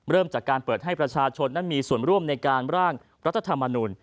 เริ่มจากการเปิดให้ประชาชนนั้นมีส่วนร่วมในการร่างรัฐธรรมนุน